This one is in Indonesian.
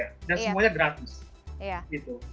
dan semuanya gratis